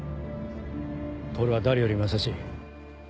透は誰よりも優しい。